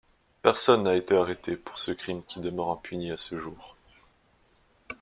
Personne n'a été arrêté pour ce crime qui demeure impuni à ce jour.